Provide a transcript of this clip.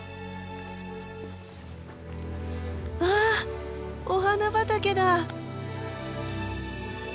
わあお花畑だ！